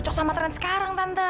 cocok sama tren sekarang tante